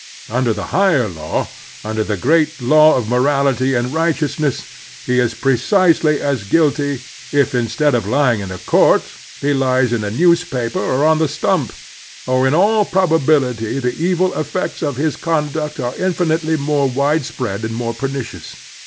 Under the higher law, tmder the great law of morality and righteousness, he is precisely as guilty if, instead of lying in a court, he lies in a newspaper or on the sttunp; and in all probability the evil effects of his conduct are infinitely more wide spread and more pernicious.